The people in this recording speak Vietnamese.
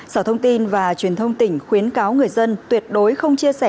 sở thông tin và truyền thông tỉnh khuyến cáo người dân tuyệt đối không chia sẻ